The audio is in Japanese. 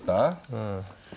うん。